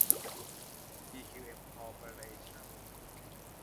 ทีคิวเอ็ม คอร์ปอเรชั่น